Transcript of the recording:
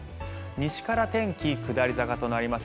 西から天気、下り坂となります。